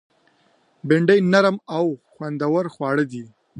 بېنډۍ نرم او خوندور خواړه دي